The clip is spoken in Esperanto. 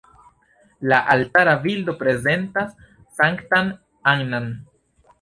La altara bildo prezentas Sanktan Anna-n.